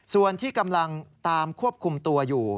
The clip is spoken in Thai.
ส่วนที่กำลังตามควบคุมตัวอยู่